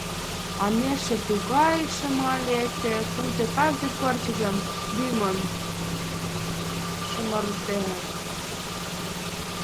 А межше тугай шыма лекте, пуйто кажне пырчыжым лӱмын шымартеныт.